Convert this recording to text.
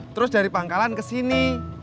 terus dari pangkalan ke sini